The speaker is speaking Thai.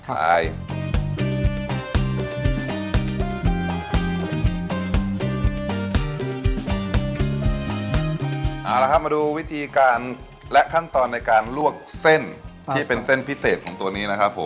เอาละครับมาดูวิธีการและขั้นตอนในการลวกเส้นที่เป็นเส้นพิเศษของตัวนี้นะครับผม